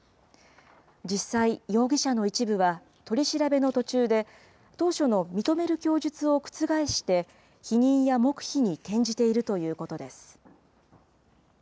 実際、容疑者の一部は、取り調べの途中で、当初の認める供述を覆して、否認や黙秘に転じているということです。